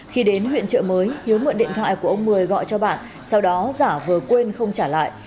khi đến huyện chợ mới hiếu mượn điện thoại của ông một mươi gọi cho bạn sau đó giả vờ quên không trả lại